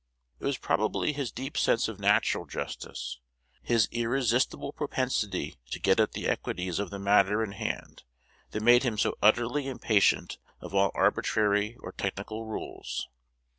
It was probably his deep sense of natural justice, his irresistible propensity to get at the equities of the matter in hand, that made him so utterly impatient of all arbitrary or technical rules.